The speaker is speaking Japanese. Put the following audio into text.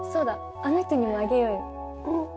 あの人にもあげようようん？